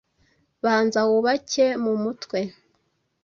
Banza wubake mu mutwe,